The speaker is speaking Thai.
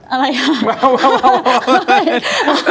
อะไรฮะ